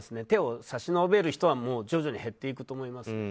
手を差し伸べる人は徐々に減っていくと思います。